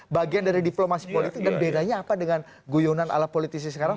bagian dari diplomasi politik dan bedanya apa dengan guyonan ala politisi sekarang